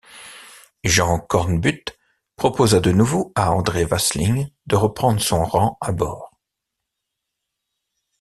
Jean Cornbutte proposa de nouveau à André Vasling de reprendre son rang à bord.